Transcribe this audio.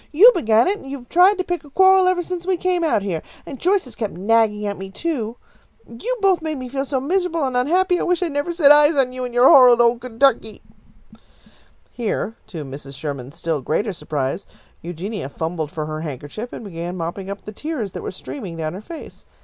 "You began it, and you have tried to pick a quarrel ever since we came out here, and Joyce has kept nagging at me, too. You've both made me feel so miserable and unhappy that I wish I'd never set eyes on you and your horrid old Kentucky!" Here, to Mrs. Sherman's still greater surprise, Eugenia fumbled for her handkerchief and began mopping up the tears that were streaming down her face.